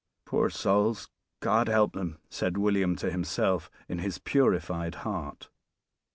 "Poor souls, God help them!" said William to himself in his purified heart.